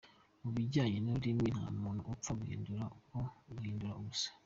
Mu bijyanye n’ururimi, nta muntu upfa guhindura byo guhindura gusa.